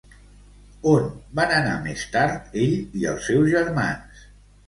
On van anar més tard ell i els seus germans?